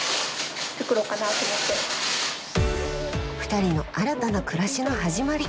２人の新たな暮らしの始まり。